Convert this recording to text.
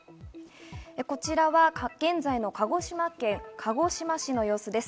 こちらは現在の鹿児島県鹿児島市の様子です。